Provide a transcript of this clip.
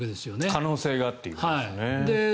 可能性があるということですね。